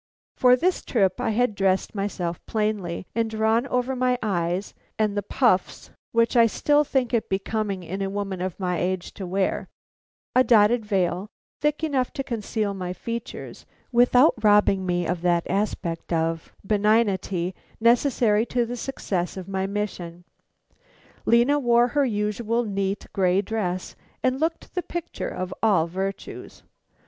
For this trip I had dressed myself plainly, and drawn over my eyes and the puffs which I still think it becoming in a woman of my age to wear a dotted veil, thick enough to conceal my features, without robbing me of that aspect of benignity necessary to the success of my mission. Lena wore her usual neat gray dress, and looked the picture of all the virtues.